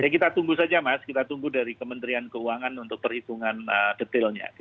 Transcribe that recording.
kita tunggu saja mas kita tunggu dari kementerian keuangan untuk perhitungan detailnya